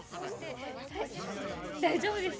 はい大丈夫です。